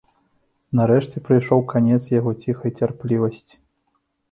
Нарэшце прыйшоў канец яго ціхай цярплівасці.